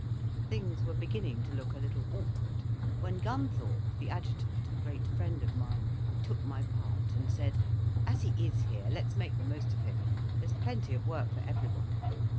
Things were beginning to look a little awkward, when Gunthorpe, the adjutant, a great friend of mine, took my part and said, "As he is here, let us make the most of him; there's plenty of work for everyone.